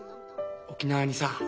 沖縄にさ